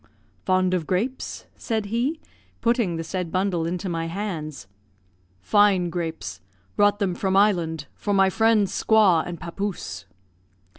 "Fond of grapes?" said he, putting the said bundle into my hands. "Fine grapes brought them from island, for my friend's squaw and papouse."